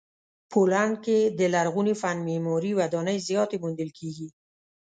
پولنډ کې د لرغوني فن معماري ودانۍ زیاتې موندل کیږي.